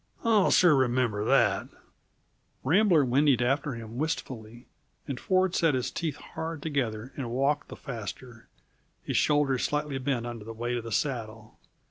I'll sure remember that!" Rambler whinnied after him wistfully, and Ford set his teeth hard together and walked the faster, his shoulders slightly bent under the weight of the saddle.